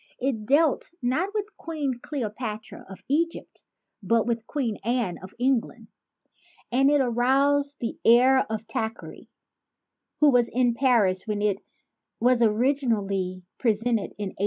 7 It dealt not with Queen Cleopatra of Egypt but with Queen Anne of England; and it aroused the ire of Thackeray, who was in Paris when it was originally pre sented in 1840.